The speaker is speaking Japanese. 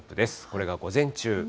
これが午前中。